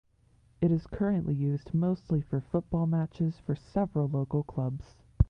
It is currently used mostly for football matches for several local clubs.